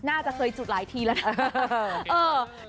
น่าจะเคยจุดหลายทีแล้วนะ